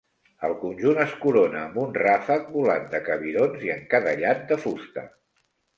El conjunt es corona amb un ràfec volat de cabirons i encadellat de fusta.